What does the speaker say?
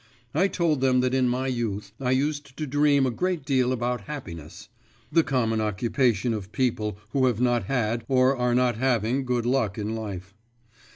I told them that in my youth I used to dream a great deal about happiness (the common occupation of people, who have not had or are not having good luck in life).